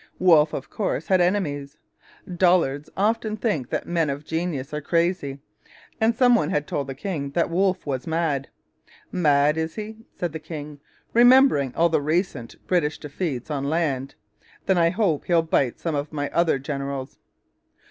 Wolfe, of course, had enemies. Dullards often think that men of genius are crazy, and some one had told the king that Wolfe was mad. 'Mad, is he?' said the king, remembering all the recent British defeats on land 'then I hope he'll bite some of my other generals!'